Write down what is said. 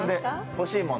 欲しいもの。